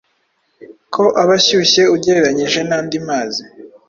ko aba ashyushye ugereranyije n’andi mazi,